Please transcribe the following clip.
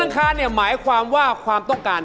เนินอาคารนี่